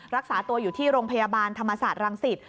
รักษาตัวอยู่ที่โรงพยาบาลธรรมศาสตร์รังสิต